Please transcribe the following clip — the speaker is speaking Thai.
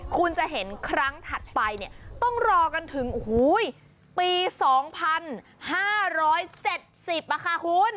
คุณจะเห็นครั้งถัดไปเนี่ยต้องรอกันถึงปี๒๕๗๐ค่ะคุณ